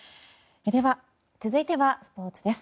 続いてはスポーツです